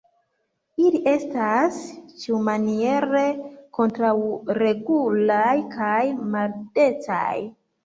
Ili estas, ĉiumaniere, kontraŭregulaj kaj maldecaj.